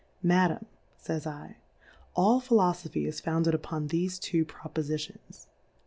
Madam,y^j'j' J, all Philofophy is founded upon thefe two Propofitions.